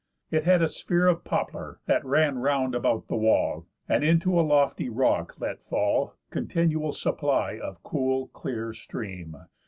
It had a sphere Of poplar, that ran round about the wall; And into it a lofty rock let fall Continual supply of cool clear stream.